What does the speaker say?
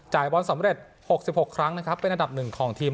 จ่ายบอลสำเร็จ๖๖ครั้งเป็นอันดับ๑ของทีม